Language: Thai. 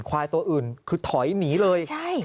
ควายตัวอื่นคือถอยหนีเลย